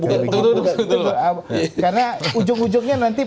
karena ujung ujungnya nanti